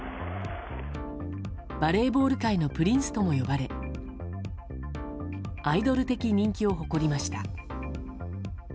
バレーボール界のプリンスとも呼ばれアイドル的人気を誇りました。